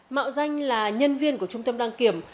mạo danh là nhân viên của trung tâm đăng kiểm